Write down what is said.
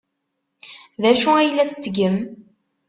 D acu ay la tettgem?